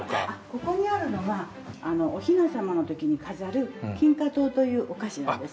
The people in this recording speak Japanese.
ここにあるのがお雛様の時に飾る金花糖というお菓子なんです。